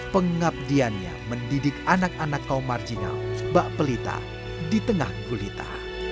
pengabdiannya mendidik anak anak kaum marginal bak pelita di tengah gulita